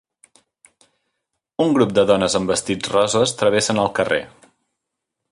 Un grup de dones amb vestits roses travessen el carrer.